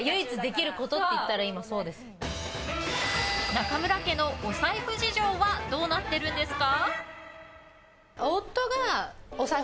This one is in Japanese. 中村家のお財布事情はどうなってるんですか。